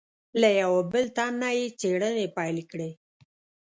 له یوه بل تن نه یې څېړنې پیل کړې.